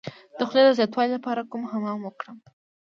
د خولې د زیاتوالي لپاره کوم حمام وکړم؟